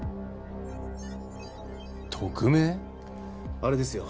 あれですよ。